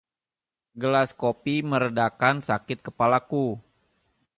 Segelas kopi meredakan sakit kepalaku.